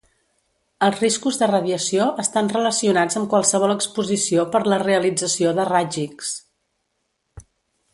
Els riscos de radiació estan relacionats amb qualsevol exposició per la realització de raigs X.